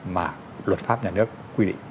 mà luật pháp này có thể đáp ứng